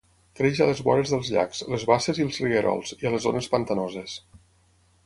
Creix a les vores dels llacs, les basses i els rierols, i a les zones pantanoses.